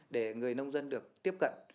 để người nông dân được tiếp cận